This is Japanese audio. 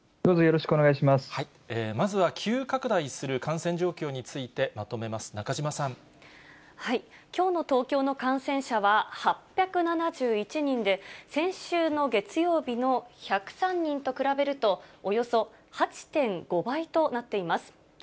まずは急拡大する感染状況にきょうの東京の感染者は８７１人で、先週の月曜日の１０３人と比べると、およそ８．５倍となっています。